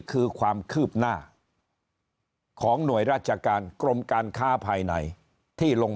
คือความคืบหน้าของหน่วยราชการกรมการค้าภายในที่ลง